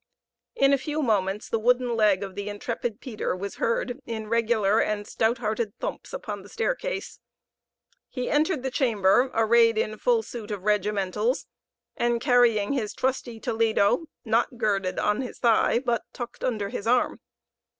In a few moments the wooden leg of the intrepid Peter was heard in regular and stout hearted thumps upon the staircase. He entered the chamber, arrayed in full suit of regimentals, and carrying his trusty toledo, not girded on his thigh, but tucked under his arm.